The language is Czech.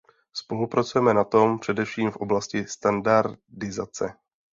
Spolupracujeme na tom, především v oblasti standardizace.